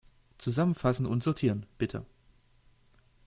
Zusammenfassen und sortieren, bitte.